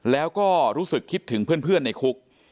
แล้วก็รู้สึกคิดถึงเพื่อนในคุก